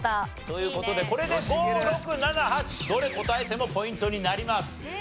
という事でこれで５６７８どれ答えてもポイントになります。